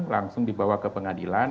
langsung dibawa ke pengadilan